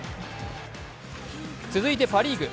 続いてパ・リーグ。